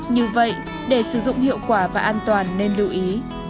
như vậy để sử dụng hiệu quả và an toàn nên lưu ý